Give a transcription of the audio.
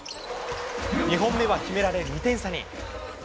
２本目は決められ２点差に。